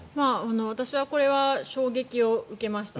私はこれは衝撃を受けました。